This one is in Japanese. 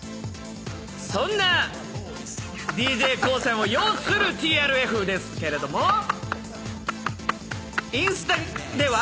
そんなＤＪＫＯＯさんを擁するＴＲＦですけれどもインスタでは。